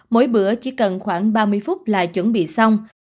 mỗi bữa chỉ cần khoảng ba mươi phút là chuẩn bị xong